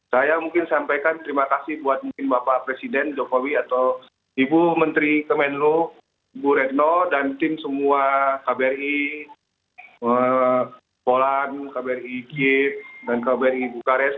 saya mungkin sampaikan terima kasih buat mungkin bapak presiden jokowi atau ibu menteri kemenlu ibu retno dan tim semua kbri polan kbri gie dan kbri bukares